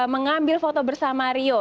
mengambil foto bersama rio